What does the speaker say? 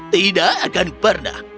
tidak akan pernah